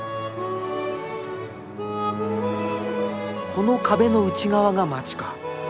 この壁の内側が街か。